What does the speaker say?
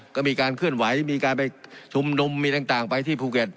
ก็มีการเคลื่อนไหวมีการไปชุมนุมมีต่างไปที่ภูเก็ต